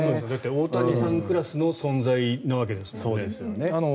大谷さんクラスの存在なわけですもんね。